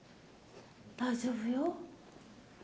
大丈夫よ。